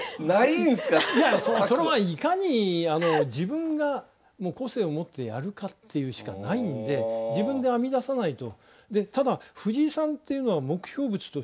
それはいかに自分が個性を持ってやるかっていうしかないんで自分で編み出さないと。